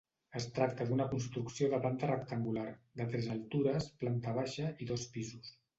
Es tracta d'una construcció de planta rectangular, de tres altures, planta baixa i dos pisos.